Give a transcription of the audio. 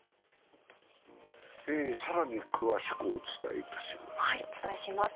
更に詳しくお伝えいたします。